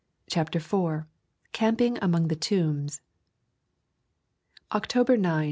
CHAPTER IV CAMPING AMONG THE TOMBS CTOBER 9g.